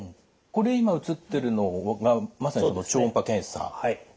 これ今映ってるのがまさに超音波検査ですか。